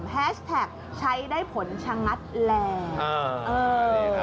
แฮชแท็กใช้ได้ผลชะงัดแรง